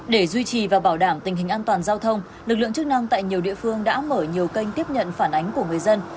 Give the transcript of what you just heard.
để duy trì và bảo đảm tình hình an toàn giao thông lực lượng chức năng tại nhiều địa phương đã mở nhiều kênh tiếp nhận phản ánh của người dân